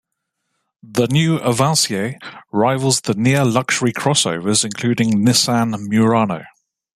The new Avancier rivals the near luxury crossovers including Nissan Murano.